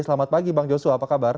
selamat pagi bang joshua apa kabar